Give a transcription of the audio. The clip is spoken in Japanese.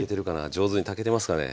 上手に炊けてますかね？